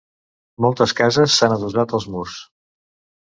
Moltes cases s'han adossat als murs.